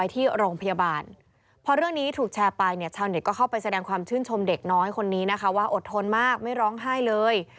แต่ว่าอดทนมากไม่ร้องไห้เลย